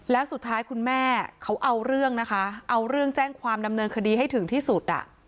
แล้วสุดท้ายคุณแม่เขาเอาเรื่องนะคะเอาเรื่องแจ้งความดำเนินคดีให้ถึงที่สุด